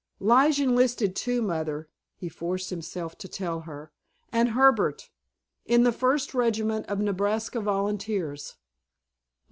"Lige enlisted, too, Mother," he forced himself to tell her, "and Herbert. In the First Regiment of Nebraska Volunteers."